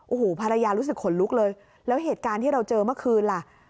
โอ้โหภรรยารู้สึกขนลุกเลยแล้วเหตุการณ์ที่เราเจอเมื่อคืนล่ะ